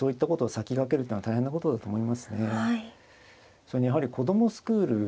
それにやはり子供スクール